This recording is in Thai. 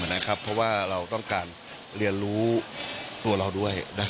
เพราะว่าเราต้องการเรียนรู้ตัวเราด้วย